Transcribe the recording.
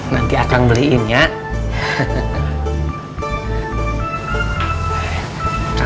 nanti akang beliinnya